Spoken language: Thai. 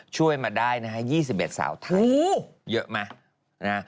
ช่วยมาได้นะฮะ๒๑สาวไทยเยอะมากนะฮะ